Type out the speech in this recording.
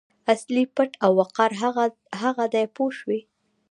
اصلي پت او وقار هغه دی پوه شوې!.